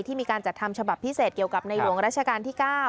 มีการจัดทำฉบับพิเศษเกี่ยวกับในหลวงราชการที่๙